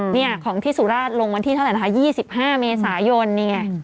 นี่ของที่สุราชลงบันทิศเท่าไหร่นะคะ๒๕เมษายน